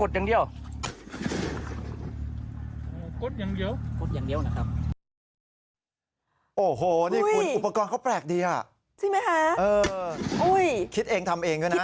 ใช่ไหมคะคิดเองทำเองก็นะ